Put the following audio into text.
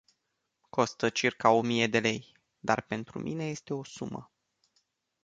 Costă circa o mie de lei, dar pentru mine este o sumă.